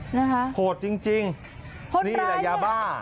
โหดจริงนี่แหละยาบ้า